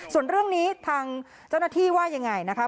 ส่วนเรื่องนี้ทางเจ้าหน้าที่ว่ายังไงนะคะ